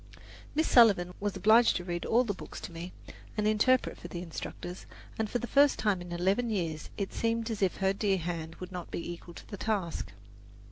Miss Sullivan was obliged to read all the books to me, and interpret for the instructors, and for the first time in eleven years it seemed as if her dear hand would not be equal to the task.